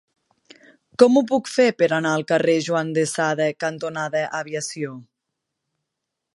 Com ho puc fer per anar al carrer Juan de Sada cantonada Aviació?